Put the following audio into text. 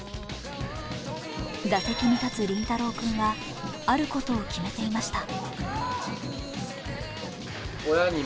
打席に立つ凛太朗君はあることを決めていました。